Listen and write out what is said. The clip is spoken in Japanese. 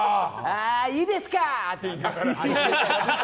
いいですか？って言いながら。